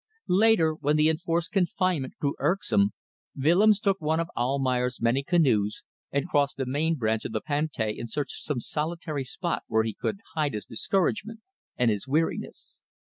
Later, when the enforced confinement grew irksome, Willems took one of Almayer's many canoes and crossed the main branch of the Pantai in search of some solitary spot where he could hide his discouragement and his weariness.